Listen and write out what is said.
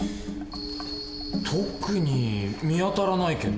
特に見当たらないけど。